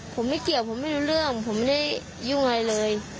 ผมไม่เกี่ยวผมไม่รู้เรื่องผมไม่ได้ยุ่งอะไรเลย